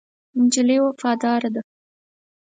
نجلۍ وفاداره ده.